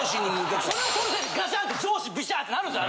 それは当然ガシャンって上司ビシャーってなるんすよ